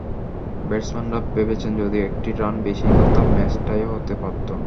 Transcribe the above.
ব্যাটসম্যানরা ভেবেছেন, যদি একটি রান বেশি করতাম, ম্যাচ টাই হতে পারত।